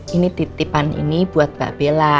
ini titipan ini buat mbak bella